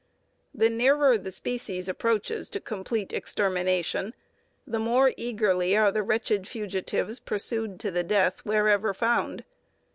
The nearer the species approaches to complete extermination, the more eagerly are the wretched fugitives pursued to the death whenever found.